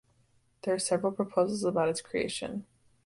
There are several proposals about its creation.